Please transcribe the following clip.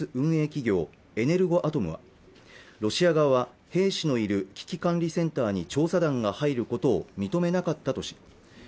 企業エネルゴアトムはロシア側は兵士のいる危機管理センターに調査団が入ることを認めなかったとし